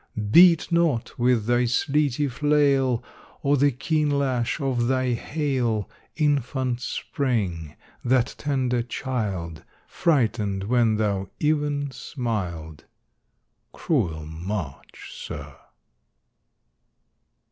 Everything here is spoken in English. Beat not with thy sleety flail, Or the keen lash of thy hail, Infant Spring, that tender child, Frightened when thou even smiled. Cruel March, Sir!